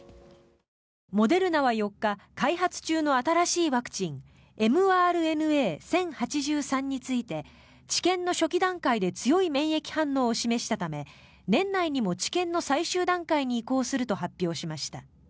モデルナは４日開発中の新しいワクチンｍＲＮＡ−１０８３について治験の初期段階で強い免疫反応を示したため年内にも治験の最終段階に移行すると発表しました。